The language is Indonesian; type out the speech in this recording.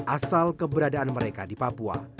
asal keberadaan mereka di papua